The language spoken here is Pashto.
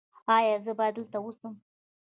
ایا زه باید دلته اوسم؟